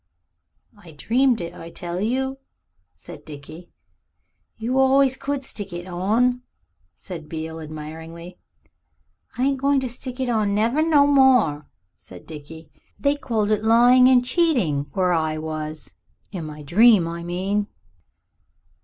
"I dreamed it, I tell you," said Dickie. "You always could stick it on," said Mr. Beale admiringly. "I ain't goin' to stick it on never no more," said Dickie. "They called it lying and cheating, where I was in my dream, I mean."